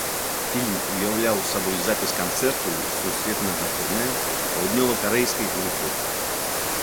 Фільм уяўляў сабой запіс канцэрту з сусветнага турнэ паўднёвакарэйскай групы.